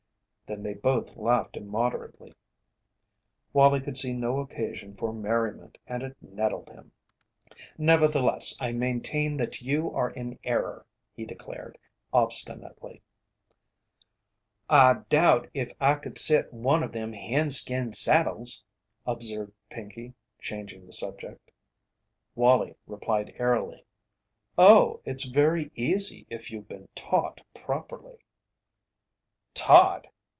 Then they both laughed immoderately. Wallie could see no occasion for merriment and it nettled him. "Nevertheless, I maintain that you are in error," he declared, obstinately. "I doubt if I could set one of them hen skin saddles," observed Pinkey, changing the subject. Wallie replied airily: "Oh, it's very easy if you've been taught properly." "Taught?